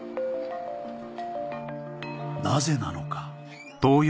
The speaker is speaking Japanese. なぜなのか